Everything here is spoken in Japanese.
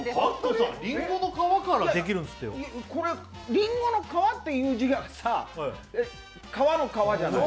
リンゴの皮っていう字が「皮」じゃない。